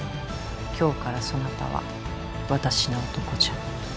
今日からそなたは私の男じゃ。